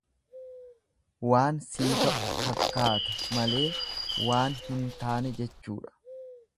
Waan sii ta'u fakkaate malee waan hin taane jechuudha.